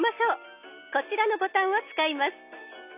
こちらのボタンを使います。